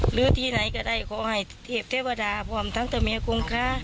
หรือที่ไหนก็ได้ขอให้เทพเทวดาพร้อมทั้งเจ้าแม่คงคะ